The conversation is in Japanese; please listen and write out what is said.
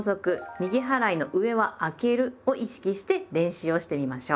「右払いの上はあける」を意識して練習をしてみましょう。